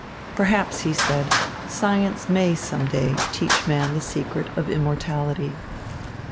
Perhaps, he said, science may some day teach man the secret of immortality.